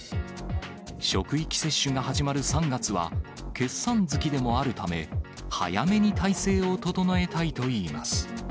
職域接種が始まる３月は、決算月でもあるため、早めに態勢を整えたいといいます。